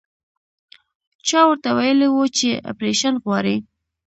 چا ورته ويلي وو چې اپرېشن غواړي.